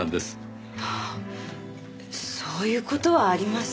そういう事はありません。